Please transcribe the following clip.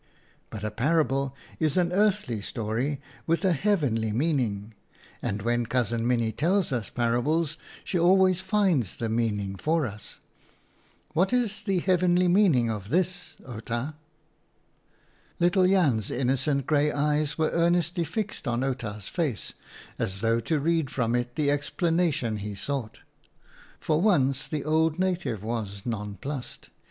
But a parable is an earthly story with a heavenly meaning, and when Cousin Minnie tells us parables she always finds the mean ing for us. What is the heavenly meaning of this, Outa ?" Little Jan's innocent grey eyes were ear nestly fixed on Quta's face, as though to read WHO WAS KING? 41 from it the explanation he sought. For once the old native was nonplussed.